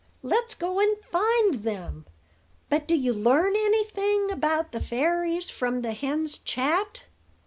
let's go and find them. But do you learn anything about the fairies from the hen's chat?"